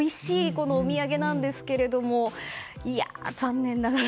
このお土産なんですけれども残念ながら。